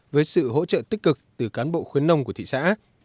với sự hỗ trợ tích cực từ cán bộ khuyến nông của thị xã